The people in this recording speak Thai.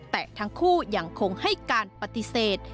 แต่ทั้งคู่ยังคงให้การปฏิเสธ